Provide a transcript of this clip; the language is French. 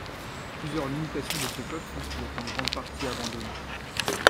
Plusieurs limitations de ce code font qu'il est en grande partie abandonné.